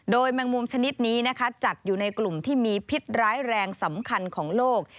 แมงมุมชนิดนี้นะคะจัดอยู่ในกลุ่มที่มีพิษร้ายแรงสำคัญของโลก